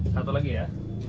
satu lagi ya